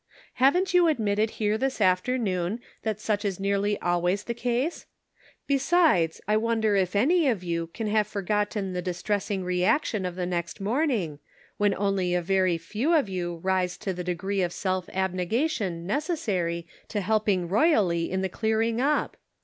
Haven't you admitted here this after noon that such is nearly always the case ? Be sides, I wonder if any of you can have for gotten the distressing reaction of the next morning, when only a very few of you rise to the degree of self abnegation necessary to help ing royally in the clearing up